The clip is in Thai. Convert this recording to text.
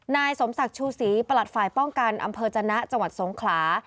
นายสมศักดิ์ชูศรีประหลัดฝ่ายป้องกันอำเภอจนะจังหวัดสงขลา